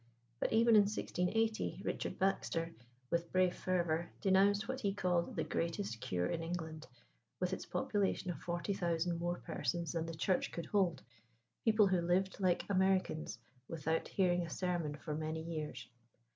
But even in 1680, Richard Baxter, with brave fervour, denounced what he called "the greatest cure in England," with its population of forty thousand more persons than the church could hold people who "lived like Americans, without hearing a sermon for many years."